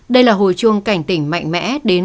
đây là hồi chuông cảnh tỉnh mạnh mẽ đến các cơ quan chức năng